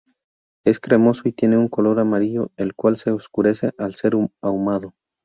Es cremoso y tiene un color amarillo el cual se oscurece al ser ahumado.